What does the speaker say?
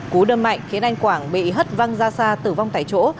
cú đâm mạnh khiến anh quảng bị hất văng ra xa tử vong tại chỗ